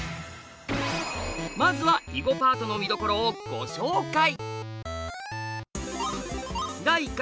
まずは囲碁パートのみどころをご紹介！